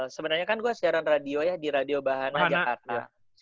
sebenarnya kan gue siaran radio ya di radio bahana jakarta